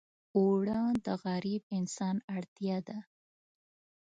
اوړه د غریب انسان اړتیا ده